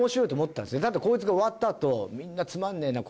だってこいつが終わったあと「みんなつまんねえな」